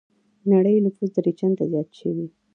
نړۍ نفوس درې چنده زيات شوی.